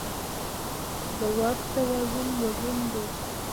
د واک توازن مهم دی.